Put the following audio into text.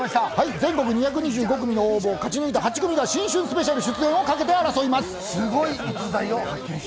全国２２５組の応募を勝ち抜いた８組が新春スペシャル出演をかけて争います。